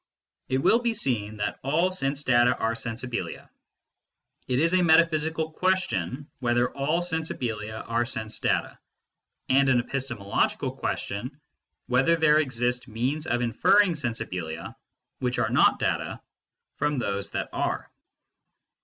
It will be seen that all sense data are sensibilia. It is a metaphysical question whether all sensibilia are sense data, and an epistemological question whether there exist means of inferring sensibilia which are not data from those that are.